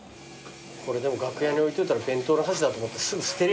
これでも楽屋に置いといたら弁当の箸だと思ってすぐ捨てる。